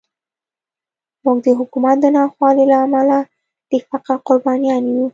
موږ د حکومت د ناخوالو له امله د فقر قربانیان یو.